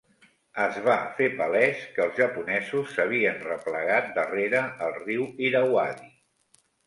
Es va fer palès que els japonesos s'havien replegat darrere el riu Irauadi.